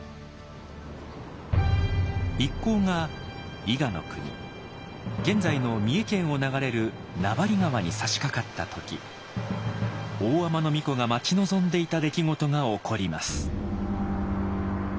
一行が伊賀国現在の三重県を流れる名張川にさしかかった時大海人皇子が待ち望んでいた出来事が起こります。